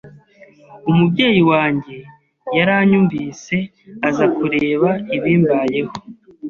Umubyeyi wanjye yaranyumvise aza kureba ibimbayeho